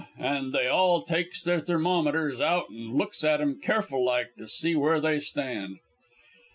an' they all takes their thermometers out an' looks at 'em careful like to see where they stand.